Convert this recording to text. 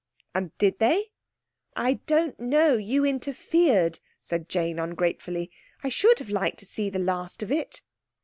"And did they?" "I don't know. You interfered," said Jane ungratefully. "I should have liked to see the last of it."